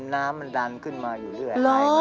น้ำมันดันขึ้นมาอยู่เรื่อย